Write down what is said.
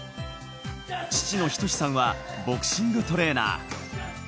父の斉さんはボクシングトレーナー。